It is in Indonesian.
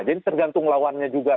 jadi tergantung lawannya juga